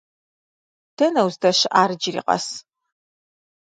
Дэнэ уздэщыӏар иджыри къэс?